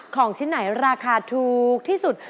ของชิ้นไหนราคาถูกที่สุด